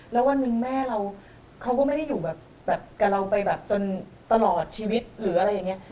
แล้ววันหนึ่งแม่เราเขาก็ไม่ได้อยู่แบบกับเราไปแบบจนตลอดชีวิตหรืออะไรอย่างนี้